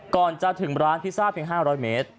ก่อนจะถึงร้านพิซซ่าเพียง๕๐๐เมตร